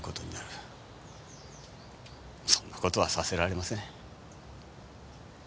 そんな事はさせられません。